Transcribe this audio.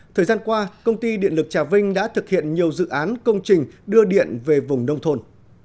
thời gian qua công ty điện lực trà vinh đã thực hiện nhiều dự án công trình đưa điện về vùng nông thôn